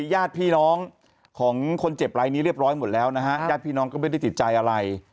ญาติพี่น้องของคนเจ็บรายนี้เรียบร้อยหมดแล้วนะฮะญาติพี่น้องก็ไม่ได้ติดใจอะไร